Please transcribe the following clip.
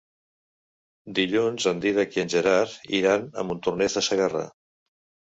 Dilluns en Dídac i en Gerard iran a Montornès de Segarra.